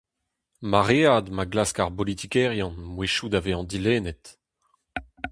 Maread ma klask ar bolitikerien mouezhioù da vezañ dilennet.